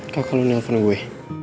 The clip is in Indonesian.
kakak lu nelfon gue